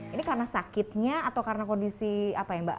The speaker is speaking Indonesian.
ini karena sakitnya atau karena kondisi apa ya mbak